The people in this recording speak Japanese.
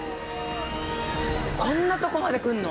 「こんなとこまで来るの？」